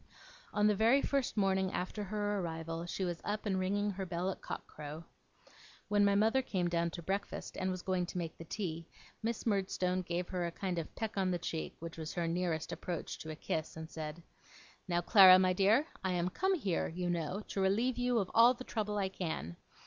On the very first morning after her arrival she was up and ringing her bell at cock crow. When my mother came down to breakfast and was going to make the tea, Miss Murdstone gave her a kind of peck on the cheek, which was her nearest approach to a kiss, and said: 'Now, Clara, my dear, I am come here, you know, to relieve you of all the trouble I can.